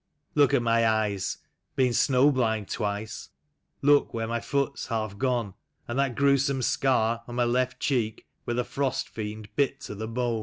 *' Look at my eyes — been snow blind twice ; look where my foot's half gone ; And that gruesome scar on my left cheek where the frost fiend bit to the bone.